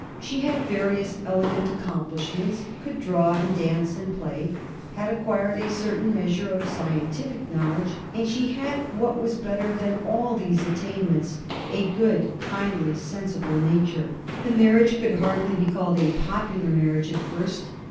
She had various elegant accomplishments could draw, and dance, and play, had acquired a certain measure of scientific knowledge, and she had what was better than all these attainments, a good, kindly, sensible nature. The marriage could hardly be called a popular marriage at first.